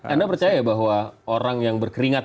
anda percaya bahwa orang yang berkeringat